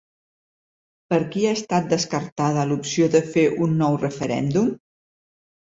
Per qui ha estat descartada l'opció de fer un nou referèndum?